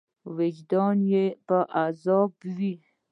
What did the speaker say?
وجدان یې په عذابوي.